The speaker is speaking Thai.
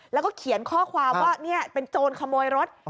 แล้วก็เขียนข้อความว่านี่เป็นโจรขโมยรถ